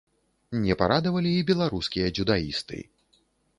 Не парадавалі і беларускія дзюдаісты.